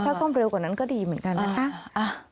ถ้าซ่อมเร็วกว่านั้นก็ดีเหมือนกันนะคะ